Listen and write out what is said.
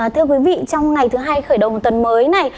thưa quý vị trong ngày thứ hai khởi đầu tuần mới này